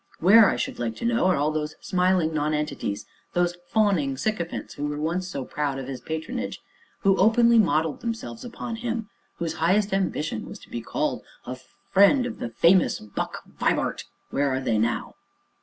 Where, I should like to know, are all those smiling nonentities those fawning sycophants who were once so proud of his patronage, who openly modelled themselves upon him, whose highest ambition was to be called a friend of the famous 'Buck' Vibart where are they now?"